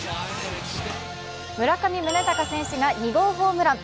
村上宗隆選手が２号ホームラン。